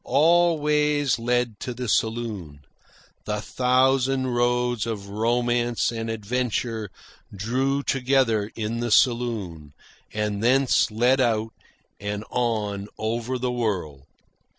All ways led to the saloon. The thousand roads of romance and adventure drew together in the saloon, and thence led out and on over the world.